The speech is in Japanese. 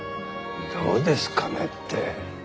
どうですかねって。